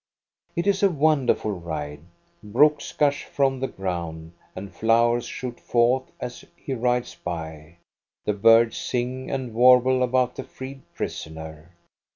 It is a wonderful ride. Brooks gush from the ground, and flowers shoot forth, as he rides by. The birds sing and warble about the freed prisoner.